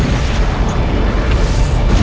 tidak ada yang lebih sakti dariku